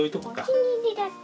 お気に入りだった。